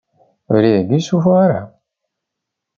Abrid agi ur yessufuɣ ara.